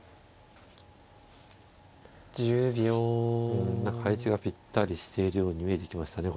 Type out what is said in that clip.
うん何か配置がぴったりしているように見えてきましたね